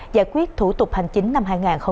giải quyết thủ tục hành chính năm hai nghìn hai mươi ba